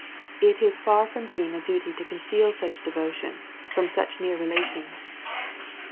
It is far from being a duty to conceal such devotion from such near relations.